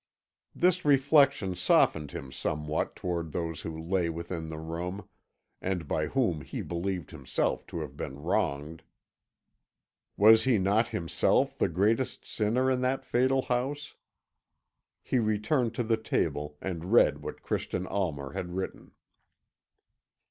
This reflection softened him somewhat toward those who lay within the room, and by whom he believed himself to have been wronged. Was he not himself the greatest sinner in that fatal house? He returned to the table and read what Christian Almer had written.